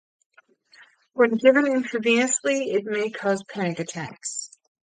When given intravenously it may cause panic attacks.